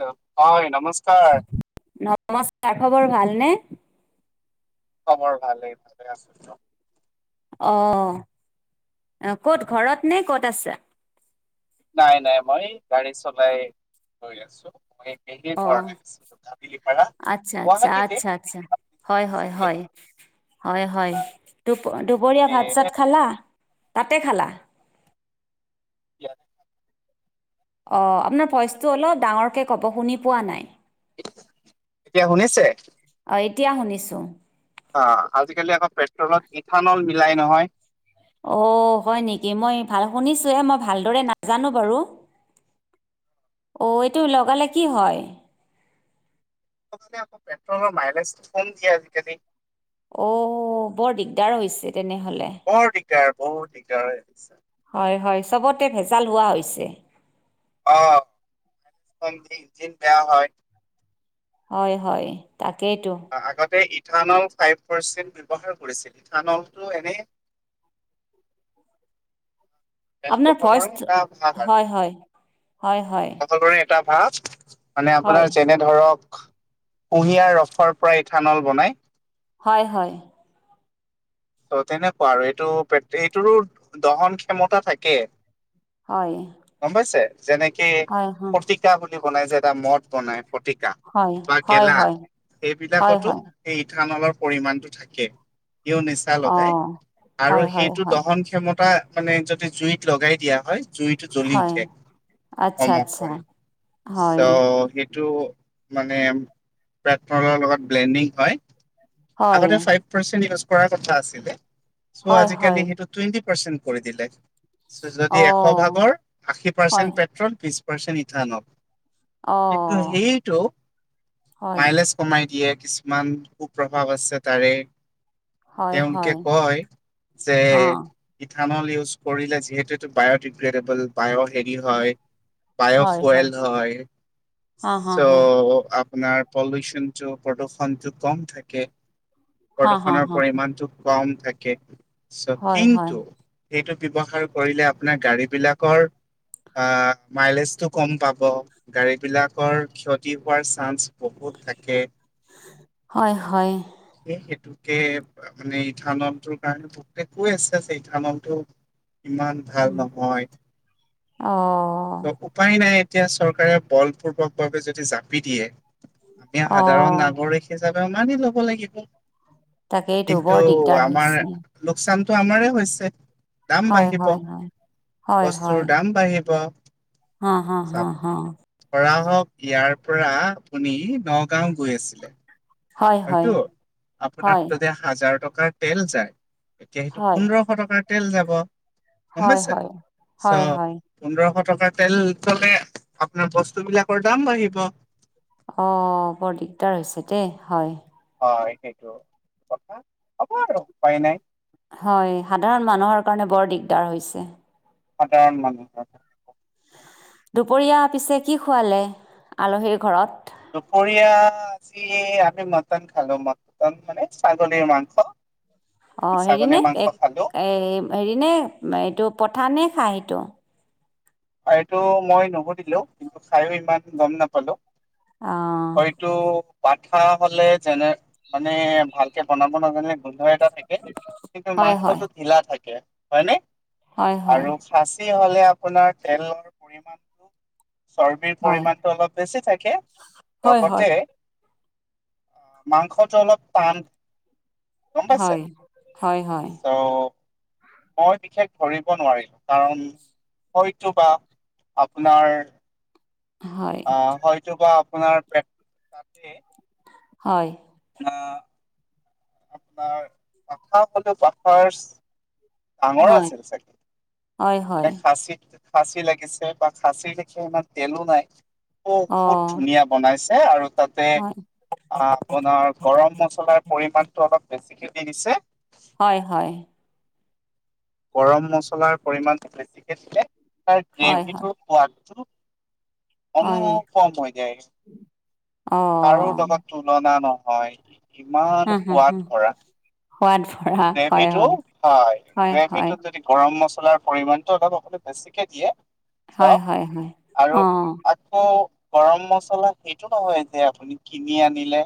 হয় নমস্কাৰ নমস্কাৰ খবৰ ভালনে? খবৰ ভালেই ভালে আছো দিয়ক। অ ক'ত ঘৰত নে ক'ত আছা? নাই নাই মই গাড়ী চলাই গৈ আছো। অ [inaudible] কাহিলীপাৰা আচ্ছা আচ্ছা গুৱাহাটীতে। আচ্ছা আচ্ছা জানে হয় হয় চাগে। হয় হয় হয় আহ, দুপৰীয়া এই ভাত চাত খালা? তাতে খালা? [unintelligible] অ আপোনাৰ ভইচটো অলপ ডাঙৰকে ক'ব শুনি পোৱা নাই। এতিয়া শুনিছে? অ এতিয়া শুনিছোঁ। অ নুলাই নহয়। অ হয় নেকি? মই ভাল শুনিছো হে মই ভালদৰে নাজানো বাৰু। অ এইটো লগালে কি হয়? আকৌ পেট্ৰলৰ মাইলেজটো কম দিয়ে আজিকালি। অ বৰ দিগদাৰ হৈছে। তেনেহ'লে বৰ দিগদাৰ বৰ দিগদাৰ। হয় হয় চবতে ভেজাল হোৱা হৈছে। অ [inaudible] হয়। হয় হয়। তাকেইতো অ আগতে থানল ফাইভ পাৰ্চেন্ট ব্যৱহাৰ কৰিছিল থানলটো এনে। [inaudible] তেল আপোনাৰ ভইচ কশলৰে এটা ভাগ আৰু হয় হয় হয় হয় কশলৰে এটা ভাব মানে হয় আপোনাৰ যেনে ধৰক কুঁহিয়াৰ ৰসৰ পৰা ইঠানল বনাই হয় হয়। ত তেনেকুৱা আৰু এইটো এইটোৰো দহন ক্ষমতা থাকে। হয়। গম পাইছে যেনেকে হয় প্ৰতিকা বুলি বনাই যে এটা মদ বনায়। ফতিকা হয় বা হয় হয় হয় গেলা হয় হয় এইবিলাকতো হয় এই ইথানলৰ পৰিমণটো থাকে হিও নিচা লগাই অঁ আৰু হয় হয় সেইটো হয় দহন ক্ষমতা মানে যদি জুইত লগাই দিয়া হয়। জুইটো জ্বলি হয় উঠে আচ্ছা সম আচ্ছা কৰি হয় চ সেই টো মানে পেট্ৰলৰ লগত ব্লেণ্ডিং হয়। হয় আগতে ফাইভ পাৰ্ছেন্ত ইউছ কৰা কথা আছিলে চ হয় হয় আজিকালি সেইটো টোৱেন পাৰ্চেণ্ট কৰি দিলে যদি এশ অঁ ভাগৰ আশী হয় পাৰ্চেন্ট পেট্ৰল পি ই কিন্তু অঁ সেইটো হয় মাইলেজ কমাই দিয়ে। কিছুমান সুপ্ৰভাৱ আছে তাৰে হয় তেওঁলোকে হয় কয় যে অঁ ধানল ইউজ কৰিলে যিহেতুটো বায়ডিগ্ৰেডেবল বায়' হেৰি হয় বায়'ফুইল হয় হাঁ চ হাঁ হাঁ আপোনাৰ পলিউচনটো প্ৰদূষণটো কম থাকে। হাঁ হাঁ প্ৰদূষণৰ হাঁ পৰিমণটো কম থাকে চ হয় হয় কিন্তু সেইটো ব্যৱহাৰ কৰিলে আপোনাৰ গাড়ী বিলাকৰ আহ মাইলেজটো কম পাব গাড়ী বিলাকৰ ক্ষতি হোৱাৰ চান্স বহুত থাকে হয় হয় সেই হেতু মানে ইথানলটোৰ কাৰণে বহুতে কৈ আছে যে ইথানলটো ইমান ভাল নহয় অঁ চব উপায় নাই। এতিয়া চৰকাৰে বলপূৰ্বকভাৱ যদি জাপি দিয়ে আমি সাধাৰণ অঁ নাগৰিক হিচাপে। ইমান দি লব লাগিব তাকেইতো কিন্তু বৰ দিগদাৰ আমাৰ হৈছে লোকচান আমাৰে হৈছে দাম হয় বাঢ়িব হয় হয় হয় বস্তুৰ হয় দাম বাঢ়িব। হা হা হা চাপ হা ধৰা হওক ইয়াৰ পৰা আপুনি নগাঁও গৈ আছিলে। হয় হয় হয়টো আপোনাৰ হয় যদি হাজাৰ টকাৰ তেল যায়। এতিয়া সেইটো হয় পোন্ধৰশ টকাৰ তেল যাব গম হয় পাইছে হয় চ হয় হয় পোন্ধৰশ টকা তেল জলে আপোনাৰ বস্তু বিলাকৰ দাম বাঢ়িব। অ বৰ দিগদাৰ হৈছে দেই হয়। হয় সেইটো কথা হ'ব আৰু উপায় নাই। হয় সাধাৰণ মানুহৰ কাৰণে বৰ দিগদাৰ হৈছে। সাধাৰণ মানুহ। দুপৰীয়া পিছে কি খুৱালে আলহীৰ ঘৰত? দুপৰীয়া আজি আমি মটন খালোঁ মটন মানে ছাগলীৰ মাংস। অ আমি হেৰি নে ছাগলীৰ মাংস এক খালো এ হেৰি নে এইটো পঠা নে? খাইটো। এইটো মই নুসুধিলোঁ কিন্তু খাইয়ো ইমান গম নাপালোঁ। অ হয়টো। পাঠা হ'লে যেনে মানে ভালকে বনাব নাজানে গোন্ধ এটা থাকে কিন্তু হয় হয় মাংসটো ঢিলা থাকে হয় নে। হয় হয় আৰু খাঁচী হ'লে আপোনাৰ তেলৰ পৰিমাণটো। চৰ্বিৰ হয় পৰিমাণটো অলপ বেছি থাকে হয় হয় লগতে। মাংসটো অলপ টান। গম পাইছে হয় হয় হয় অ। মই বিশেষ ধৰিব নোৱাৰিলোঁ কাৰণ হয়তো বা আপোনাৰ হয় আহ হয়তো বা আপোনাৰ প্ৰে তাতে হয়। আপোনাৰ পাঠা হ'লেও পাঠাৰচ। ডাঙৰ হয়, আছিল চাগে হয়, হয়। মানে খাচী খাচি লাগিছে বা খাচি দেখি ইমান তেলো নাই বহুত অ', ধুনীয়া বনাইছে। আৰু তাতে হয়, আপোনাৰ গৰম মছলাৰ পৰিমাণটো অলপ বেছিকে এনিছে হয় হয় গৰম মছলাৰ পৰিমাণ বেছিকে দিলে তাৰ হয়, হয়, গ্ৰেভিটোৰ সোৱাদটো। কনো হয়, কম হৈ যায় কাৰোঁ অ', লগত তুলনা ন হয় ইমান হুম, হুম, সোৱাদ হুম, ভৰা। সোৱাদ ভৰা, হয়, গ্ৰেভিটো হয় হয়, হয়, গ্ৰেভিটো যদি গৰম মছলা। লাৰ পৰিমাণটো অলপ সকলো বেছিকে দিয়ে হয়, চব হয়, হয়, আৰু অ', আকৌ গৰম মছলা সেইটো নহয় যে আপুনি কিনি আনিলে।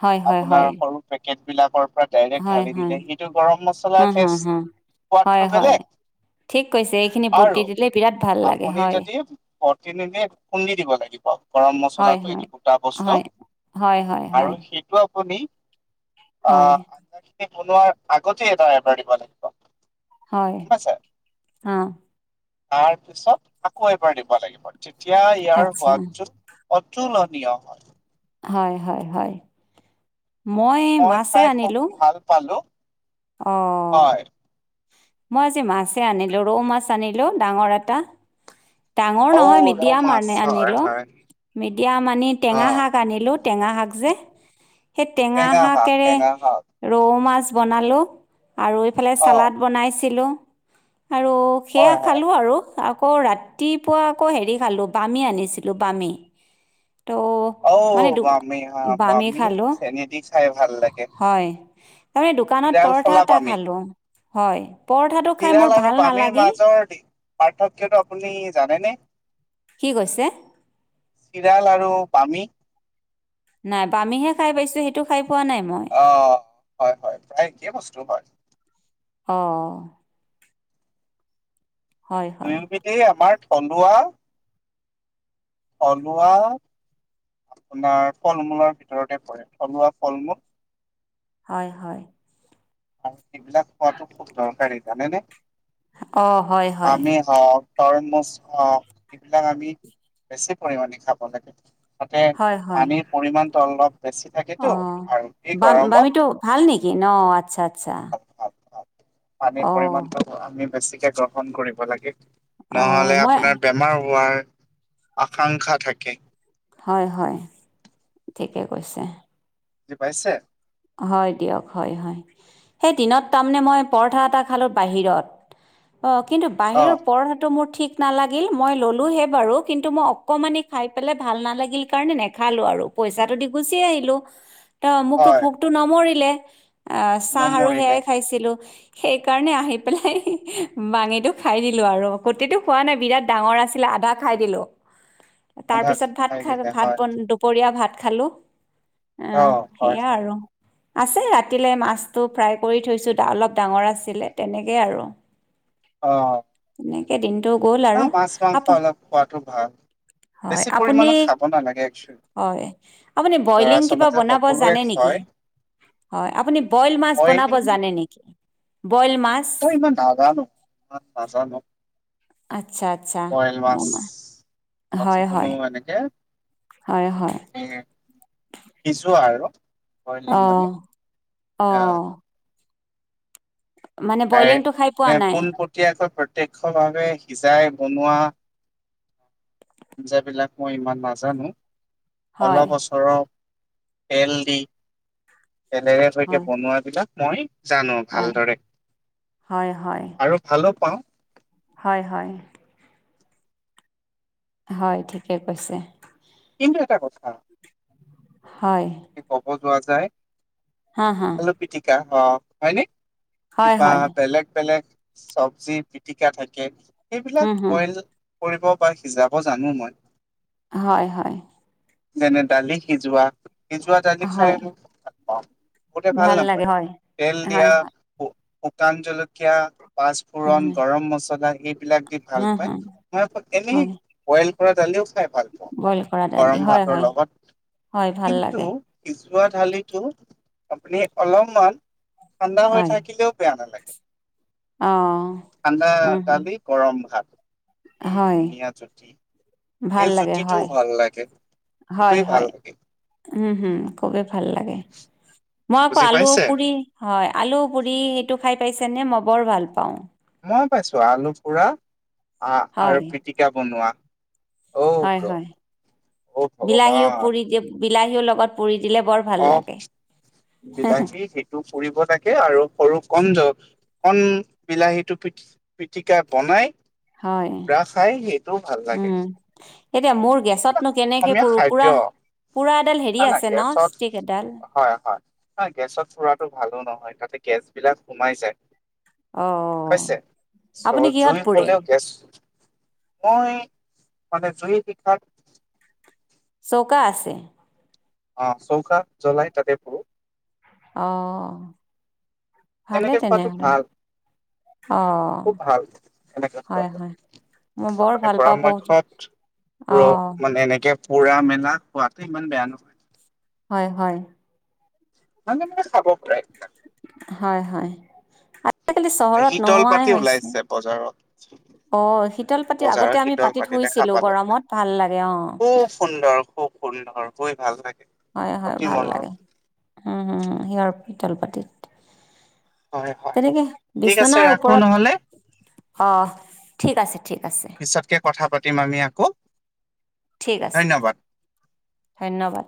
হয়, হয়, আপোনাৰ হয়, সৰু পেকেট বিলাকৰ পৰা ডাইৰেক্ট হয়, ঢালি হয়, দিলে সেইটো গৰম মচলা হুম, হুম, ফেষ্ট হুম, হয়, সুৱাদটো হয়, বেলেগ। ঠিক কৈছে এইখিনি বটি আৰু দিলে বিৰাট ভাল লাগে হয়। বটি নিদিয়ে খুন্দি দিব লাগিব। গৰম হয়, মচলাটো হয়, এইটো গোটা বস্তু হয়, হয়, হয়, হয়, আৰু সেইটো আপুনি। হয়। কেক বনোৱাৰ আগতে এটা অদাৰ দিব লাগিব। হয় গম পাইছে আহ। তাৰ পিছত আকৌ এবাৰ দিব লাগিব তেতিয়া ইয়াৰ আচ্ছা, সোৱাদটোত। তুলনীয় হয়। হয় হয় হয় মই মাছে খাই খুব আনিলোঁ। ভাল পালো অহ হয় মই আজি মাছে আনিলো, ৰৌ মাছ আনিলো ডাঙৰ এটা। ডাঙৰ নহয় মিডিয়াম আনি আনিলোঁ, মিডিয়াম আনি টেঙা শাক আনিলোঁ। টেঙা শাক যে, সেই টেঙা শাকেৰে ৰৌ মাছ বনালো। আৰু এইফালে হাপ অ' চালাড বনাইছিলোঁ। আৰু সেয়া হয় হয় খালোঁ আৰু। আকৌ ৰাতিপুৱা আকৌ হেৰি খালোঁ, বামী আনিছিলোঁ বামী তো মানে অ' দু, বামি হা বামি খালো, চেনেদি খাই ভাল লাগে। হয়। তাৰমানে দোকানত চিৰাল পৰঠা ফলা এটা বামি খালোঁ। হয় পৰঠাটো খাই মোৰ চিৰাল আৰু ভাল বামীৰ নালাগিল মাজৰ পাৰ্থক্যটো আপুনি জানেনে? কি কৈছে চিৰাল আৰু বামী? নাই বামিহে খাই পাইছো, সেইটো খাই পোৱা নাই মই অ হয় হয় প্ৰায় একে বস্তু হয়। অঁ' হয় হয় দুয়োবিধেই আমাৰ থলুৱা থলুৱা আপোনাৰ ফল-মূলৰ ভিতৰতে পৰে থলুৱা ফল-মূল। হয় হয়। আৰু সেইবিলাক খোৱাতো খুব দৰকাৰী জানেনে? অ' হয় হয়। তৰমুচ, এইবিলাক আমি বেছি পৰিমাণে খাব লাগে। তাতে হয় হয় পানীৰ পৰিমাণটো অলপ বেছি থাকেতো অঁ আৰু এই বাম বামিটো ভাল নেকি ন আচ্ছা আচ্ছা গৰমত, ভ পানীৰ অঁ পৰিমণটো আমি বেছিকে গ্ৰহণ কৰিব লাগে, অঁ নহলে মই আপোনাৰ বেমাৰ হোৱাৰ আকাংক্ষা থাকে। হয় হয় ঠিকে কৈছে। যি পাইছে? হয় দিয়ক হয় হয়, সেই দিনত তামনে মই পৰঠা এটা খালো বাহিৰত। অ কিন্তু অ বাহিৰৰ পৰঠাটো মোৰ ঠিক নালাগিল মই ল'লোঁহে বাৰু, কিন্তু মই অকণমানেই খাই পেলাই ভাল নালাগিল কাৰণে নেখালোঁ আৰু। পইচাটো দি গুচি আহিলো, ত মোক তো হয় ভোক নভৰিলে, আহ' চাহ আৰু নমৰিলে সেয়াই খাইছিলো। সেইকাৰণে আহি পেলাই বাাঙিটো খাই দিলোঁ আৰু, গটেতো খোৱা নাই বিৰাট ডাঙৰ আছিলা আদা খাই দিলোঁ, আধা তাৰপিছত ভাত খাই খ দিলে ভাত ব হয় দুপৰীয়া ভাত খালোঁ। অ অহ' হয় সেইয়া হয় আৰু। আছে ৰাতিলৈ মাছটো ফ্ৰাই কৰি থৈছোঁ, অলপ ডাঙৰ আছিলে তেনেকৈ আৰু। অহ' এনেকে দিম? অ' মাছ-মাংস অলপ খোৱাতো ভাল, হয় বেছি আপুনি পৰিমণত খাব নালাগে একচেল হয়, আপুনি বইলিং কিবা বনাব সকলোৱে জানে নেকি? হয় হয়, আপুনি বইল মাছ বনাব জানে নেকি? বইল মাছ অ ইমান নাজানো, নাজানো আচ্ছা আচ্ছা, মমা অ' চিকোনো এনেকে হয় হয়। এ সিজোৱা আৰু। বইলিং মানে অহ আহ অহ তাই, খাই পোৱা নাই পোনপটীয়াকৈ প্ৰত্যক্ষভাৱে সিজাই বনোৱা আঞ্জাবিলাক মই ইমান নাজানো, হয় অলপ ছৰৰ তেল দি, তেলেৰে সৈকে হয় বনোৱাবলাক মই জানো হয় ভালদৰে, হয় হয় আৰু ভালো পাওঁ। হয় হয়। হয় ঠিকে কৈছে। কিন্তু এটা কথা। হয়। পোৱা যায় হা হা আলু পিটিকা হ হয়নে। হয় কিবা হয় বেলেগ বেলেগ চব্জি পিটিকা থাকে। সেইবিলাক হুম হুম বইল কৰিব বা সিজাব জানো মই। হয় হয়। যেনে দালি সিজোৱা। সজোৱা জালি খাই হয় মই ভ পাওঁ বহুতে ভাল লাগে নাপায় হয় তেল দিয়া। হয় হয় শুকান জলকীয়া। হয় গৰ মা এইবিলাক হা ভালনে। হা হয় ৰা দালিও খাই ভাল পাওঁ বইল কৰা দালি গৰম হয় ভাতৰ হয় লগত। হয় ভাল টো লাগে সিজোৱা ঢালিটো আপুনি অলপমান। ঠাণ্ডা হৈ হয় থাকিলেও বেয়া নালাগে। অ ঠাণ্ড উম হুম কালি কৰমঘাট। এই হয় ধুনীয়া জুতি। ভাল এই লাগে জুতিটোও হয় ভাল লাগে, হয় খুবেই ভাল হয় লাগে, উম খুবেই ভাল লাগে। লাগে মই আক বুজি পাইছে? আলুপোৰি হয় আলুপোৰি সেইটো খাই। পাইছেনে মই বৰ ভাল পাওঁ। মই পাইছো আলু পুৰা আহ হয় আৰু পিটিকা বনোৱা। অ' হয় গ- হয় অ' বিলাহীও ভগৱান। পুৰি যে। বিলাহীও লগত পুৰি দিলে বৰ ভাল অহ, লাগে। বিলাহী সেইটো পুৰিব লাগে আৰু সৰু। কন জ কন বিলাহীটো পি পিটিকা বনাই। হয় ৰা খাই সেইটোও ভাল লাগে। উম এতিয়া মোৰ গেছতনো কেনেকে পুৰো পুৰা। পুৰা এডাল হেৰি নাই নাই আছে ন গেছত ষ্টিক এডাল হয় হয় ন গেছত পুৰাটো ভালো নহয় তাতে। গেছ বিলাক সোমাই যায়। অ পাইছে চ আপুনি কিহত জুই পুৰে হলেও গেছ। মই মানে জই শিক্ষাত। চৌকা আছে। অ চৌকাত জ্বলাই তাতে পুৰো। অহ। তেনেকে খোৱাতটো ভাল। অ', খুব ভাল এনেকে হয়, খোৱাটো। হয়। মই বৰ আপুনি ভাল পাওঁ বহুত পৰামৰ্শত ৰ অ', মানে এনেকে। পুৰা মেলা খোৱাতো ইমান বেয়া নহয়। হয় হয়। নে খাব প। হয় হয়। আজিকালি চহৰত শীতল নোহোৱাই পাতি হৈছে। ওলাইছে বজাৰত অ শীতল পাতি আগতে বজাৰৰ আমি শীতল পাতি দেখা শুইছিলোঁ পালো মই গৰমত ভাল লাগে অ। শূল ধৰ বোৰে ভাল থাকে। হয় হয় ভাল লাগে উম হম সিহঁৰ শীতল পাতিত। হয় হয় তেনেকে ঠিক আছে বিচনাৰ ৰাখো ওপৰত নহলে অ ঠিক আছে। ঠিক আছে, পিছতকে কথা পাতিম আমি আকৌ। ঠিক আছে ধন্যবাদ ধন্যবাদ।